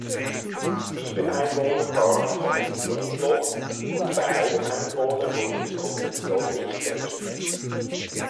Sieben Einwohner waren konfessionslos und bei einem Einwohner wurde die Konfession nicht ermittelt.